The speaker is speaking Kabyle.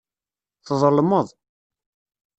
Tḍelmeḍ.